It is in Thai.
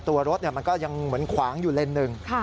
ตัวรถมันก็ยังเหมือนขวางอยู่เลนส์หนึ่ง